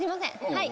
はい